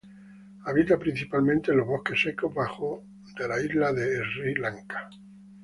Habita principalmente en los bosques secos bajos de la isla de Sri Lanka.